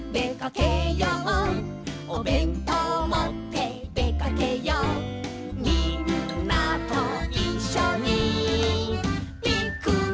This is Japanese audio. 「おべんとうもってでかけよう」「みんなといっしょにピクニック」